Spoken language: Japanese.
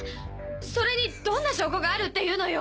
それにどんな証拠があるって言うのよ！